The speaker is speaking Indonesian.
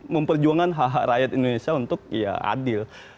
memperjuangkan hak hak rakyat indonesia untuk ya adil